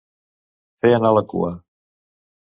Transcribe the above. Fer anar la cua.